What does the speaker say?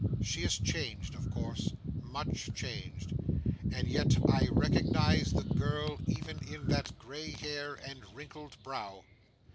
She is changed, of course; much changed; and yet I recognise the girl even in that gray hair and wrinkled brow.